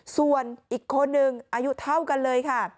ส่วนอีกคนนึงอายุเท่ากันเลยค่ะ